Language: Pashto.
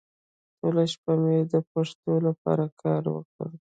ټوله شپه مې د پښتو لپاره کار وکړ.